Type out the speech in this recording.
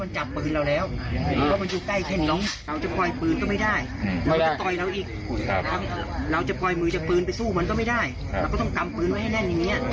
จะเป็นปืนลั่นไป